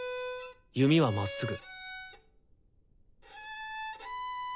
弓はまっすぐ。